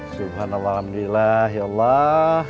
subhanallahaw industry allah ya allah